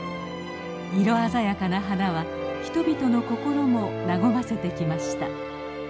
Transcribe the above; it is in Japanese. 色鮮やかな花は人々の心も和ませてきました。